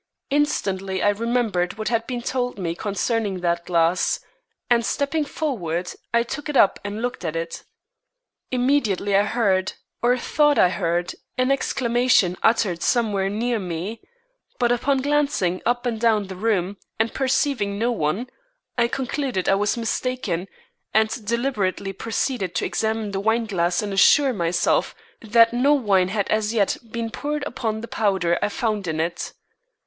Instantly I remembered what had been told me concerning that glass, and stepping forward, I took it up and looked at it. Immediately I heard, or thought I heard, an exclamation uttered somewhere near me. But upon glancing up and down the room and perceiving no one, I concluded I was mistaken, and deliberately proceeded to examine the wineglass and assure myself that no wine had as yet been poured upon the powder I found in it.